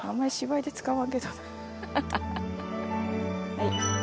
はい。